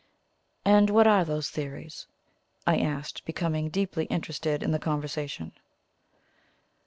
"And what are those theories?" I asked, becoming deeply interested in the conversation.